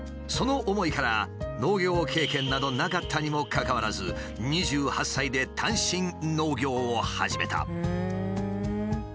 その思いから農業経験などなかったにもかかわらず２８歳で単身農業を始めた。